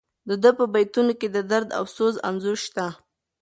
د ده په بیتونو کې د درد او سوز انځور شته.